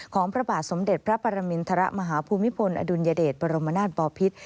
พระบาทสมเด็จพระปรมินทรมาฮภูมิพลอดุลยเดชบรมนาศบอพิษ